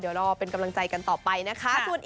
เดี๋ยวรอเป็นกำลังใจกันต่อไปนะคะ